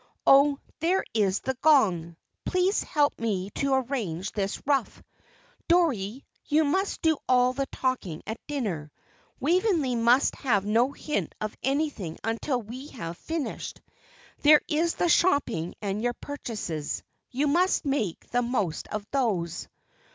Oh, there is the gong. Please help me to arrange this ruff. Dorrie, you must do all the talking at dinner. Waveney must have no hint of anything until we have finished there is the shopping and your purchases; you must make the most of those."